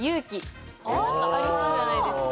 ありそうじゃないですか。